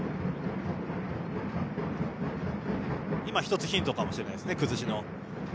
今、１つヒントかもしれません、崩しの。